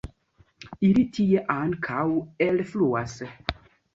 Ili tie ankaŭ elfluas.